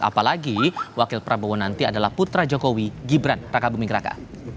apalagi wakil prabowo nanti adalah putra jokowi gibran raka buming raka